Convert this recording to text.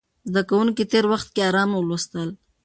زده کوونکي تېر وخت کې ارام لوستل.